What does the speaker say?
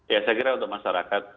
ya saya kira untuk masyarakat